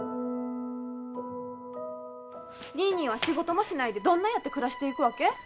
ニーニーは仕事もしないでどんなやって暮らしていくわけ？